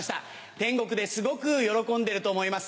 天国ですごく喜んでると思います。